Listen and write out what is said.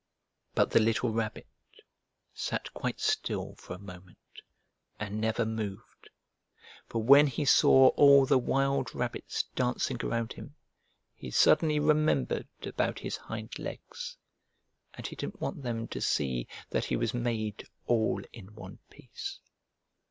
But the little Rabbit sat quite still for a moment and never moved. For when he saw all the wild rabbits dancing around him he suddenly remembered about his hind legs, and he didn't want them to see that he was made all in one piece.